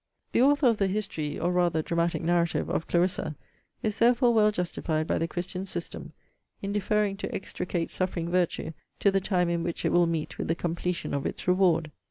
The Author of the History (or rather Dramatic Narrative) of Clarissa, is therefore well justified by the christian system, in deferring to extricate suffering virtue to the time in which it will meet with the completion of its reward.